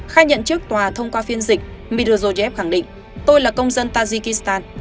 khai nhận trước tòa thông qua phiên dịch midujoyev khẳng định tôi là công dân tajikistan